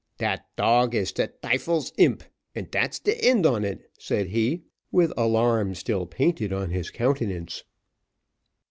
"Dat tog is de tyfel's imp, and dat's de end on it," said he, with alarm still painted on his countenance.